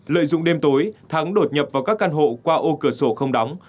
lợi dụng đêm tối thắng đột nhập vào các căn hộ qua ô cửa sổ không đóng